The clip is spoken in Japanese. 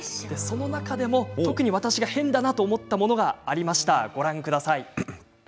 特に私が変だなと思ったものがありました。